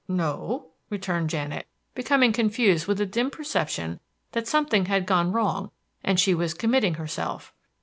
"No," returned Janet, becoming confused with a dim perception that something had gone wrong and she was committing herself.